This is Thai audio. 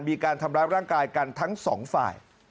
มีการทำร้ายร่างกายกันทั้งสองฝ่าย